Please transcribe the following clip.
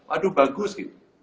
aduh bagus gitu